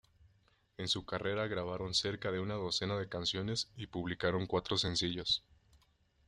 En su carrera grabaron cerca de una docena de canciones y publicaron cuatro sencillos.